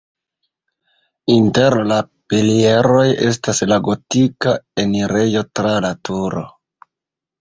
Inter la pilieroj estas la gotika enirejo tra la turo.